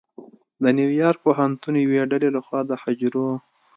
د نیویارک پوهنتون یوې ډلې لخوا د حجرو